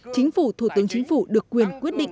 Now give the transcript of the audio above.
chính phủ thủ tướng chính phủ được quyền quyết định